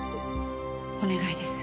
お願いです。